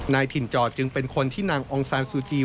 ถิ่นจอดจึงเป็นคนที่นางองซานซูจี